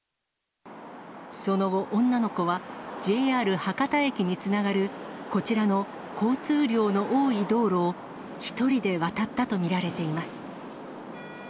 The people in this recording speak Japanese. その後、女の子はＪＲ博多駅につながるこちらの交通量の多い道路を１人で渡ったと見られています。